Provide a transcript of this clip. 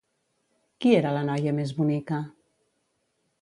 Qui era la noia més bonica?